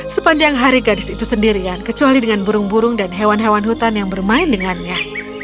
sepanjang hari gadis itu sendirian kecuali dengan burung burung dan hewan hewan hutan yang bermain dengannya